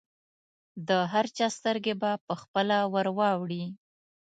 د هر چا سترګې به پخپله ورواوړي.